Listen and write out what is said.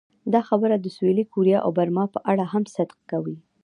دا خبره د سویلي کوریا او برما په اړه هم صدق کوي.